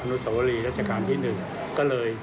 อรุณสวรี้รัชการที่หนึ่งก็เลย